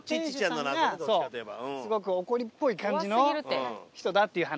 すごく怒りっぽい感じの人だっていう話。